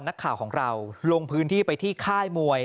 นักข่าวของเราลงพื้นที่ไปที่ค่ายมวย